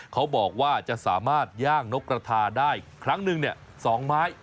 เขาบอกว่าจะสามารถย่างนกกระทาได้ครั้งหนึ่ง๒ไม้